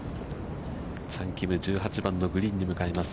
チャン・キム、１８番のグリーンに向かいます。